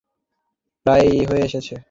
প্রায় হয়ে এসেছে!